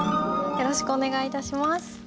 よろしくお願いします。